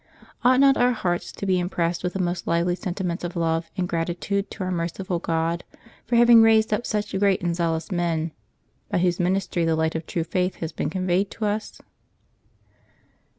Ought not our hearts to be impressed with the most lively sentiments of love and gratitude to our merciful God for having raised up such great and zealous men, by whose ministry the light of true faith has been conveyed ito us